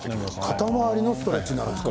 肩回りのストレッチなんですか？